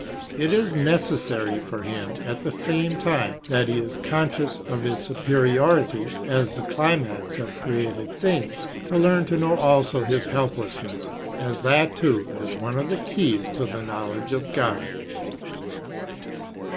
It is necessary for him, at the same time that he is conscious of his superiority as the climax of created things, to learn to know also his helplessness, as that too is one of the keys to the knowledge of God.